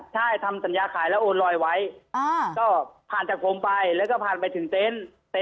ใช่ทำสัญญาขายแล้วโอนลอยไว้ก็ผ่านจากผมไปแล้วก็ผ่านไปถึงเต็นต์